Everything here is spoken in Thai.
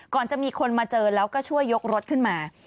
ก่อนจะมีคนมาเจอแล้วก็ช่วยยกรถขึ้นมา